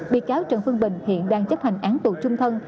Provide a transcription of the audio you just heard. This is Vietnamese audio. biệt cáo trần phương bình hiện đang chấp hành án tù chung thân